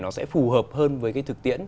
nó sẽ phù hợp hơn với cái thực tiễn